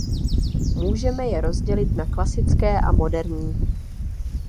Můžeme je rozdělit na klasické a moderní.